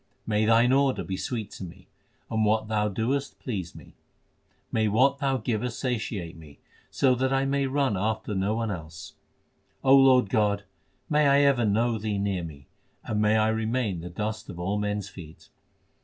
May Thine order be sweet to me, and what Thou doest please me ! May what Thou givest satiate me, so that I may run after no one else ! O Lord God, may I ever know Thee near me, and may I remain the dust of all men s feet